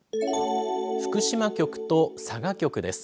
福島局と佐賀局です。